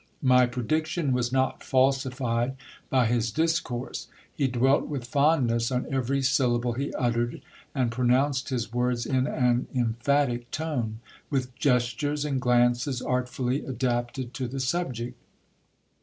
My prediction was not falsified by his discourse. He dwelt with fondness on every syllable he uttered, and pronounced his words in an emphatic tone, with gestures and glances artfully adapted to the subject.